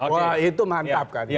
wah itu mantap kan